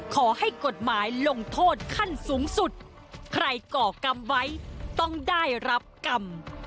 ขอให้กฎหมายลงโทษขั้นสูงสุดใครก่อกรรมไว้ต้องได้รับกรรม